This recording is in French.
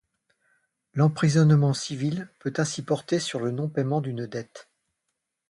L'emprisonnement civil peut ainsi porter sur le non-paiement d'une dette.